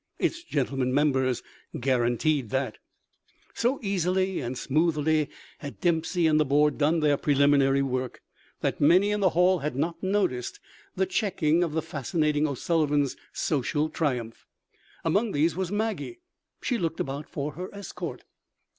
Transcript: Its gentlemen members guaranteed that. So easily and smoothly had Dempsey and the board done their preliminary work that many in the hall had not noticed the checking of the fascinating O'Sullivan's social triumph. Among these was Maggie. She looked about for her escort.